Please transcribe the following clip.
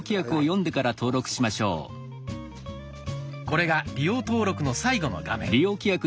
これが利用登録の最後の画面。